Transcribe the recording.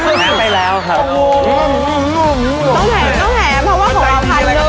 ต้องแถมต้องแถมเพราะว่าผมเอาผ่านเริ่ม